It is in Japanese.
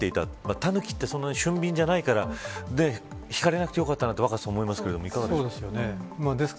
タヌキはそんなに俊敏じゃないからひかれなくてよかったなと思いますけど、いかがですか。